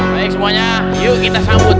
baik semuanya yuk kita sambut